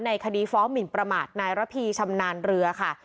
คดีฟ้องหมินประมาทนายระพีชำนาญเรือค่ะ